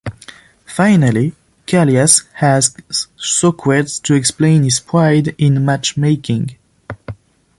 Finally Kallias asks Socrates to explain his pride in match-making.